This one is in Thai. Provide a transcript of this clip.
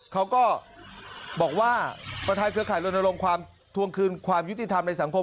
เขาก็บอกว่าประธานเครือข่ายรณรงค์ทวงคืนความยุติธรรมในสังคม